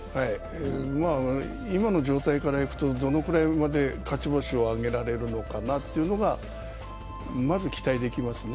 今の状態からいくとどのくらいまで勝ち星をあげられるのかなというのがまず、期待できますね。